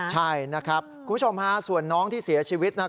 ใช่นะครับคุณผู้ชมส่วนน้องที่เสียชีวิต